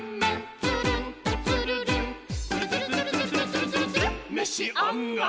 「つるつるつるつるつるつるつるつるめしあがれ！」